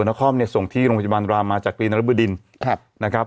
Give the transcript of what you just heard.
นะครอบเนี้ยส่งที่โรงพยาบาลรามาจากตีนรับดินครับนะครับ